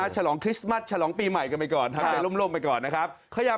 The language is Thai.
ฉลองคริสต์มัสฉลองปีใหม่กันไปก่อนทำใจร่มไปก่อนนะครับ